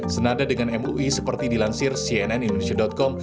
senada dengan mui seperti dilansir cnn indonesia com